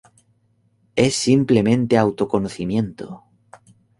Es simplemente autoconocimiento.